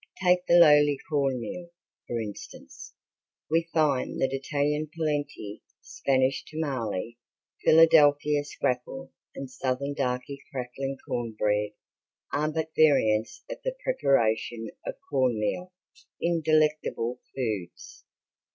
Take the lowly corn meal, for instance. We find that Italian polenti, Spanish tamale, Philadelphia scrapple and Southern Darkey crackling corn bread are but variants of the preparation of corn meal in delectable foods.